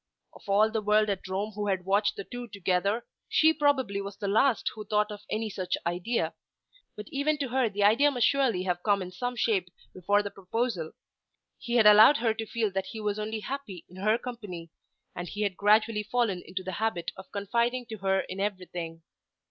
Of all the world at Rome who had watched the two together she probably was the last who thought of any such idea. But even to her the idea must surely have come in some shape before the proposal. He had allowed her to feel that he was only happy in her company, and he had gradually fallen into the habit of confiding to her in everything.